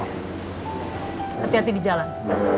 hati hati di jalan